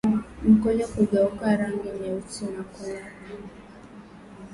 Mkojo kugeuka rangi nyeusi na kunuka